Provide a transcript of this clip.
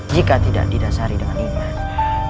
jika tidak didasari dengan iman